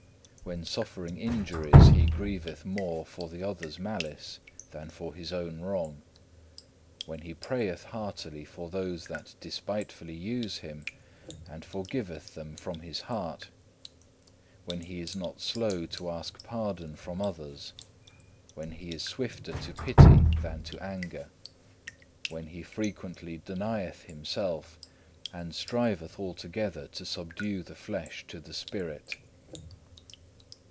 When suffering injuries he grieveth more for the other's malice than for his own wrong; when he prayeth heartily for those that despitefully use him, and forgiveth them from his heart; when he is not slow to ask pardon from others; when he is swifter to pity than to anger; when he frequently denieth himself and striveth altogether to subdue the flesh to the spirit.